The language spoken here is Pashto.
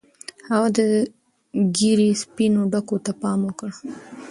هغه د ږیرې سپینو ډکو ته پام وکړ.